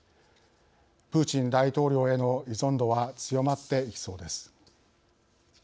プーチン大統領への依存度は強まっていきそうです。